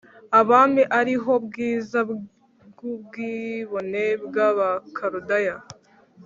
abami ari ho bwiza bw ubwibone bw Abakaludaya